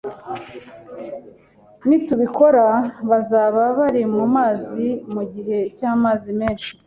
Nitubikora, bazaba bari mumazi mugihe cyamazi menshi